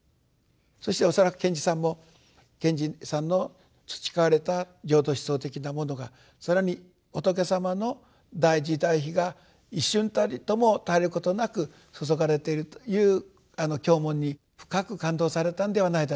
そして恐らく賢治さんも賢治さんの培われた浄土思想的なものが更に仏様の大慈大悲が一瞬たりとも絶えることなく注がれているという経文に深く感動されたんではないだろうか。